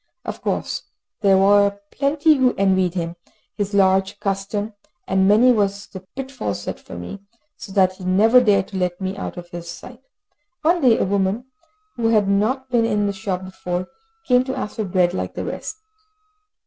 Of course there were plenty who envied him his large custom, and many was the pitfall set for me, so that he never dared to let me out of his sight. One day a woman, who had not been in the shop before, came to ask for bread, like the rest.